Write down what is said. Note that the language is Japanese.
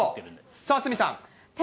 さあ、鷲見さん。